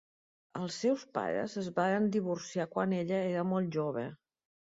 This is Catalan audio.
Els seus pares es varen divorciar quan ella era molt jove.